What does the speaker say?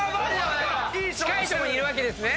近いとこにいるわけですね。